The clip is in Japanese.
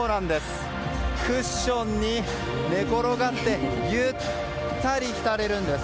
クッションに寝転がってゆったり浸れるんです。